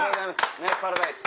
ねっパラダイス。